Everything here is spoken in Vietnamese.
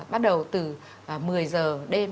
bắt đầu từ một mươi h đêm